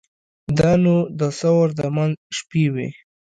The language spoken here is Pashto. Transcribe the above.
دا نو د ثور د منځ شپې وې.